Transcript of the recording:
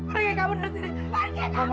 mama aku sedih